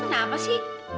kamu tuh kenapa sih